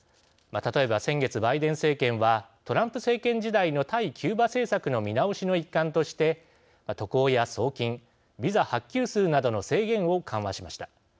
例えば先月、バイデン政権はトランプ政権時代の対キューバ政策の見直しの一環として、渡航や送金ビザ発給数などの制限を緩和しました。